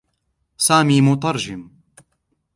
سامي مترجم.